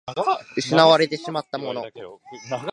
失われてしまったもの